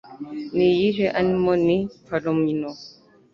Ni iyihe Animal ni Palomino